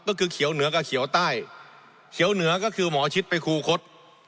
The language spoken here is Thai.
ก็คือเขียวเหนือกับเขียวใต้เขียวเหนือก็คือหมอชิดไปคูคศ